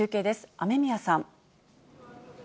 雨宮さん。